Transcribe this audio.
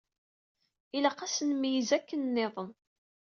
Ilaq ad s-nmeyyez akken nniḍen.